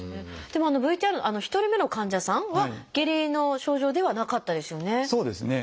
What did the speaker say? でもＶＴＲの１人目の患者さんは下痢の症状ではなかったですよね。